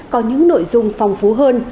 có những nội dung phong phú hơn